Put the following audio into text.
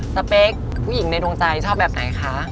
เป๊กผู้หญิงในดวงใจชอบแบบไหนคะ